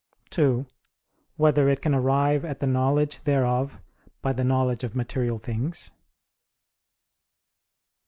(2) Whether it can arrive at the knowledge thereof by the knowledge of material things?